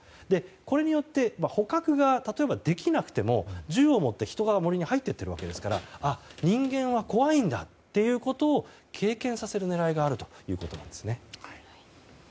これによって捕獲が例えばできなくても、銃を持って人が森に入っていっているわけですから人間は怖いんだと経験させる狙いがあるということなんですね。